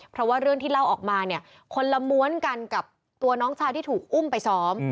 เพราะว่าเรื่องที่เล่าออกมาเนี่ยคนละม้วนกันกับตัวน้องชายที่ถูกอุ้มไปซ้อม